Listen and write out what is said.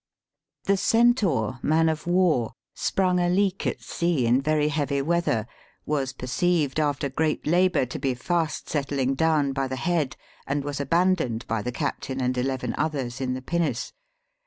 The Centaur, man of war, sprung a leak at sea in very heavy weather ; was perceived, after great labour, to be fast settling down by the head; and was abandoned by the captain and eleven others, in the pinnace.